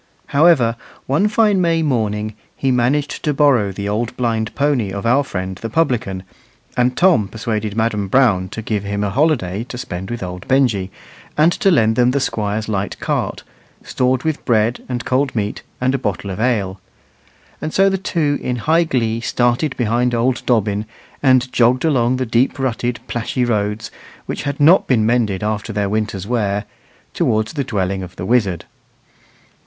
However, one fine May morning he managed to borrow the old blind pony of our friend the publican, and Tom persuaded Madam Brown to give him a holiday to spend with old Benjy, and to lend them the Squire's light cart, stored with bread and cold meat and a bottle of ale. And so the two in high glee started behind old Dobbin, and jogged along the deep rutted plashy roads, which had not been mended after their winter's wear, towards the dwelling of the wizard.